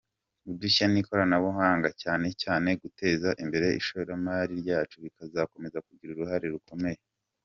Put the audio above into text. Udushya n’ikoranabuhanga, cyane cyane guteza imbere ishoramari ryacu bizakomeza kugira uruhare rukomeye.